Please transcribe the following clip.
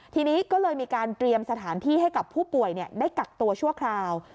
ทีนี้ก็เลยมีการเตรียมสถานที่ให้กับผู้ป่วยได้กักตัวชั่วคราว